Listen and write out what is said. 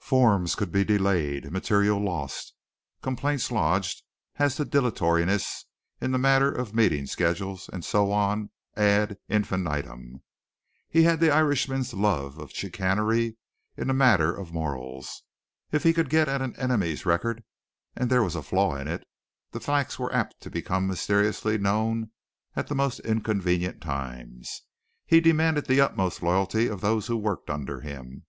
Forms could be delayed, material lost, complaints lodged as to dilatoriness in the matter of meeting schedules, and so on, ad infinitum. He had the Irishman's love of chicanery in the matter of morals. If he could get at an enemy's record and there was a flaw in it, the facts were apt to become mysteriously known at the most inconvenient times. He demanded the utmost loyalty of those who worked under him.